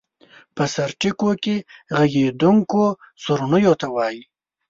په سرټکیو کې غږېدونکیو سورڼیو ته وایو.